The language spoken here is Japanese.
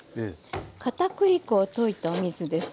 かたくり粉を溶いたお水です。